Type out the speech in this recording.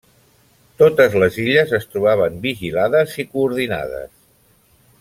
Totes les illes es trobaven vigilades i coordinades.